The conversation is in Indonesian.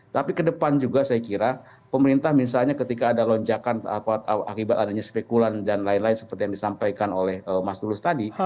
tapi ke depan juga saya kira pemerintah misalnya ketika ada lonjakan akibat adanya spekulan dan lain lain seperti yang disampaikan oleh mas tulus tadi